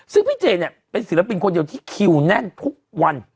ซึ่งพี่เจเนี่ยเป็นศิลปินคนเดียวที่คิวแน่นทุกวัน